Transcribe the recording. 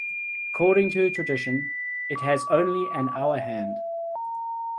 According to tradition, it has only an hour hand.